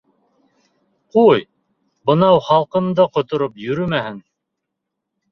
— Ҡуй, бынау һалҡында ҡотороп йөрөмәһен.